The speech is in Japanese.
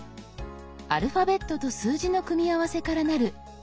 アルファベットと数字の組み合わせからなる「パスワード」。